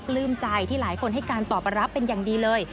ปลื้มใจที่หลายคนให้การตอบรับเป็นอย่างดีเลย